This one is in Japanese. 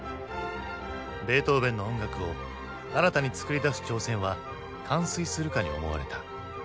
ベートーヴェンの音楽を新たに作り出す挑戦は完遂するかに思われた。